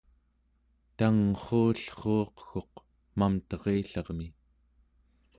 tangrruullruuq-gguq Mamterillermi